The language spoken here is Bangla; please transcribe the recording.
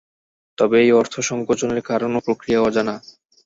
তবে এই অর্থসংকোচনের কারণ ও প্রক্রিয়া অজানা।